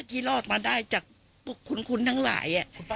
ที่รอดมาได้จากพวกคุณทั้งหลาย